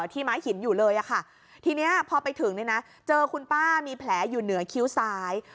ม้าหินอยู่เลยค่ะทีนี้พอไปถึงเนี่ยนะเจอคุณป้ามีแผลอยู่เหนือคิ้วซ้าย